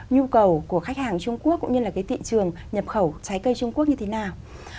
nhu cầu của khách hàng trung quốc cũng như là cái thị trường nhập khẩu trái cây trung quốc như thế nào